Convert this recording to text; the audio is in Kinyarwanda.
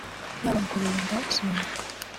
yaba mu kurinda isuri